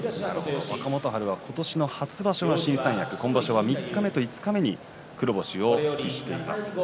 若元春は今年の初場所が新三役、今場所は三日目と五日目に黒星を喫しています。